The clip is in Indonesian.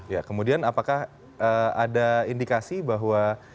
ya kemudian apakah ada indikasi bahwa